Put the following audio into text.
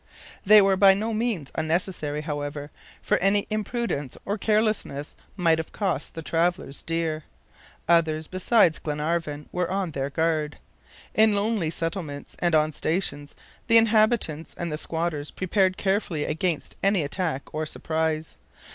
They were by no means unnecessary, however, for any imprudence or carelessness might have cost the travelers dear. Others beside Glenarvan were on their guard. In lonely settlements and on stations, the inhabitants and the squatters prepared carefully against any attack or surprise.